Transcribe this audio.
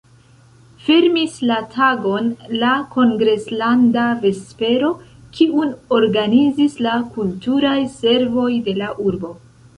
Fermis la tagon la kongreslanda vespero, kiun organizis la Kulturaj Servoj de la urbo.